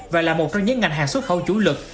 và là một trong những ngành hàng xuất khẩu chủ lực